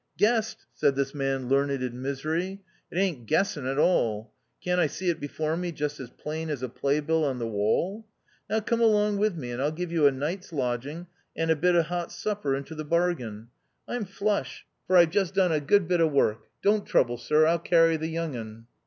"Guessed!" said this man learned in misery, "it ain't guessing at all. Can't I see it before me just as plain as a play bill on the wall ? Now come along with me, and I'll give you a night's lodging, and a bit of hot supper into the bargain. I'm i9» THE OUTCAST. flush, for I've just done a good bit of work. Don't trouble, Sir, I'll carry the young un."